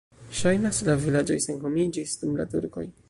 Ŝajnas, la vilaĝoj senhomiĝis dum la turkoj.